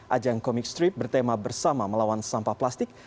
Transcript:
ajang komik strip bertema bersama melawan sampah plastik